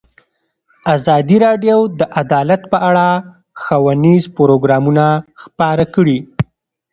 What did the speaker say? ازادي راډیو د عدالت په اړه ښوونیز پروګرامونه خپاره کړي.